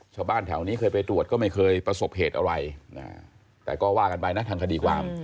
ชาวบ้านแถวนี้เคยไปตรวจก็ไม่เคยประสบเหตุอะไรแต่ก็ว่ากันไปนะทางคดีความ